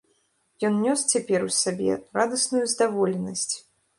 Ён нёс цяпер у сабе радасную здаволенасць.